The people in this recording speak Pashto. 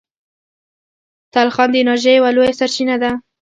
تلخان د انرژۍ یوه لویه سرچینه ده.